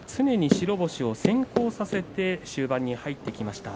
白星を先行させて終盤に入ってきました。